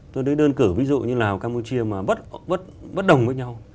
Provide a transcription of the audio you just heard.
tôi đưa đơn cửa ví dụ như lào campuchia mà bất đồng với nhau